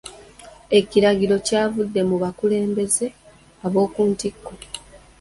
Ekiragiro kyavudde mu bakulembeze ab'oku ntikko.